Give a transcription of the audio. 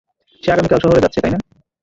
সে আগামীকাল শহরে যাচ্ছে, তাই না?